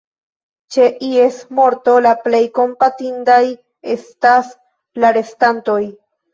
Ĉe ies morto, la plej kompatindaj estas la restantoj.